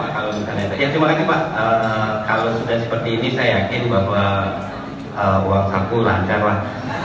ya terima kasih pak kalau sudah seperti ini saya yakin bapak uang saku lancar lah